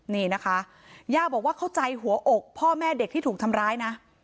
นี่นะคะย่าบอกว่าเข้าใจหัวอกพ่อแม่เด็กที่ถูกทำร้ายนะ